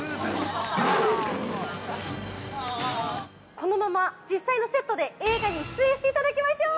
◆このまま実際のセットで映画に出演していただきましょう！